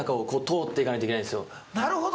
なるほど。